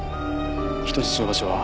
人質の場所は。